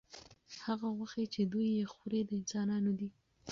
هغه غوښې چې دوی یې خوري، د انسانانو دي.